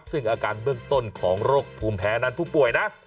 ซึ่งอาการเบื้องต้นของโรคภูมิแพ้นั้นผู้ป่วยนะ